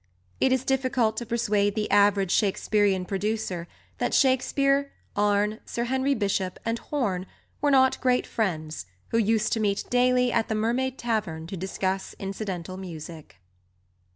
It is difficult to persuade the average Shakespearian producer that Shakespeare, Arne, Sir Henry Bishop, and Horn were not great friends who used to meet daily at the Mermaid Tavern to discuss incidental music.